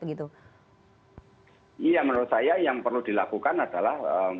iya menurut saya yang perlu dilakukan adalah